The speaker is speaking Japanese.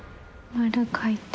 丸描いて。